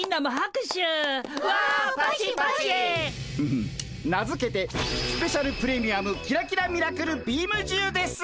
フフッ名付けてスペシャル・プレミアムキラキラ・ミラクル・ビームじゅうです！